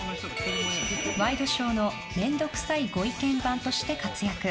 ワイドショーの面倒くさいご意見番として活躍。